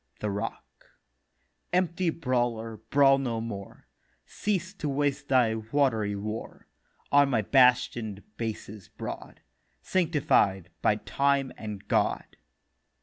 THE ROCK: 'Empty Brawler, brawl no more; Cease to waste thy watery war On my bastion'd Bases broad, Sanctified by Time and God.